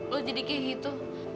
lo jadi kayak gitu